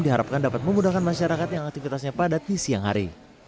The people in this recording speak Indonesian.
diharapkan dapat memudahkan masyarakat yang aktivitasnya padat di siang hari